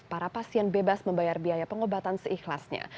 para pasien bebas membayar biaya pengobatan seikhlasnya